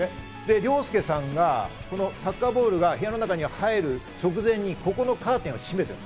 凌介さんがサッカーボールが部屋の中に入る直前にここのカーテンを閉めてる。